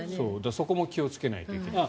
そこも気をつけないといけない。